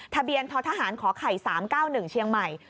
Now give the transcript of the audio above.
ทะเบียนท้อทหารขอไข่๓๙๑เชียงใหม่